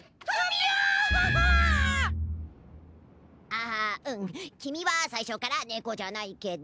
あうんきみはさいしょからねこじゃないけど。